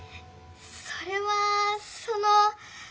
それはその。